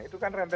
itu kan rentet